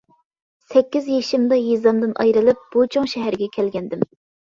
سەككىز يېشىمدا يېزامدىن ئايرىلىپ، بۇ چوڭ شەھەرگە كەلگەنىدىم.